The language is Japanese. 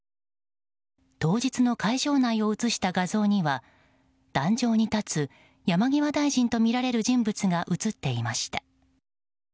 当日の会場内を写した画像には壇上に立つ山際大臣とみられる人物が写っていました。